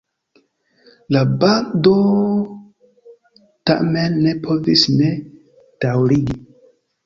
La bando tamen ne povis ne daŭrigi.